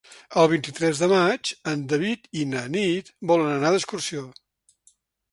El vint-i-tres de maig en David i na Nit volen anar d'excursió.